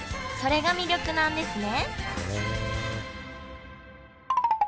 それが魅力なんですね